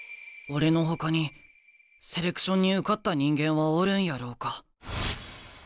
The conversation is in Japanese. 俺のほかにセレクションに受かった人間はおるんやろうか？